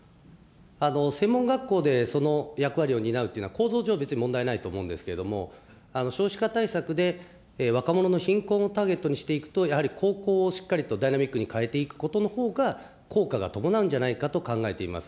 専門学校でその役割を担うというのは、構造上、別に問題ないと思うんですけれども、少子化対策で若者の貧困をターゲットにしていくと、やはり高校をしっかりとダイナミックに変えていくことのほうが、効果が伴うんじゃないかと考えています。